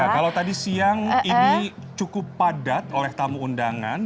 kalau tadi siang ini cukup padat oleh tamu undangan